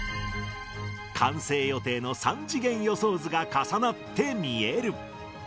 完成予定の３次元予想図が重なって見える。